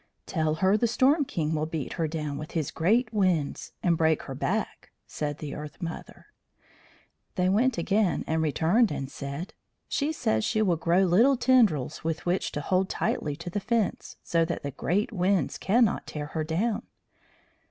"Tell her the Storm king will beat her down with his great winds, and break her back," said the Earth mother. They went again, but returned and said: "She says she will grow little tendrils with which to hold tightly to the fence, so that the great winds cannot tear her down."